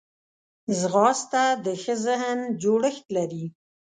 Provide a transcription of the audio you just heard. ځغاسته د ښه ذهن جوړښت لري